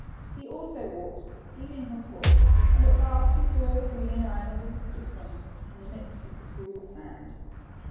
He also walked, leading his horse, and at last he saw the green island of the spring in the niidst of the cruel sand.